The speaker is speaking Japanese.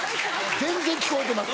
全然聞こえてます。